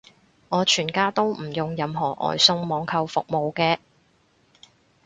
我全家都唔用任何外送網購服務嘅